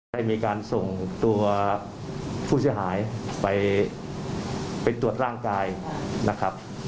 ได้มีการส่งตัวผู้เสียหายไปไปตรวจร่างกายนะครับ